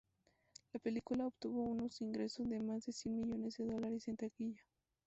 La película obtuvo unos ingresos de más de cien millones de dólares en taquilla.